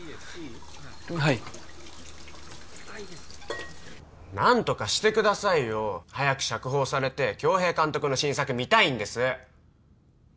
はい何とかしてくださいよ早く釈放されて恭兵監督の新作見たいんです